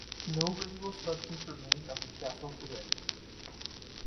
No visible structures remain of the castle today.